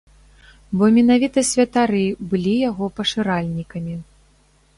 Бо менавіта святары былі яго пашыральнікамі.